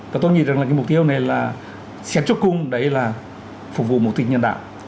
và tôi nghĩ rằng là cái mục tiêu này là xét cho cùng đấy là phục vụ mục tích nhân đạo